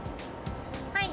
はい。